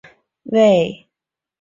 未来这里靠近规划中的苏州东站。